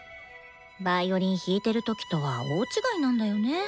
ヴァイオリン弾いてる時とは大違いなんだよね。